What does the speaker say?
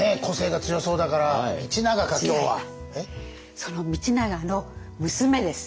その道長の娘です。